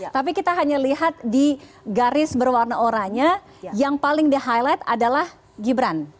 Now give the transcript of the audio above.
tapi kita hanya lihat di garis berwarna oranya yang paling di highlight adalah gibran